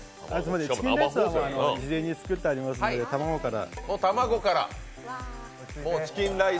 チキンライスは事前に作ってありますので卵から。